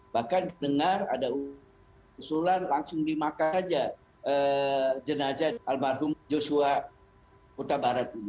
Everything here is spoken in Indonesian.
bahkan dengar ada usulan langsung dimakan saja jenazah almarhum joshua huta barat ini